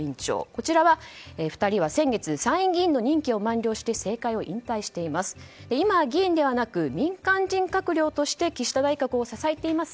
こちらの２人は先月参院議員の任期を満了して政界を引退しています。